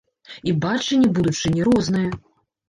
І бачанне будучыні рознае.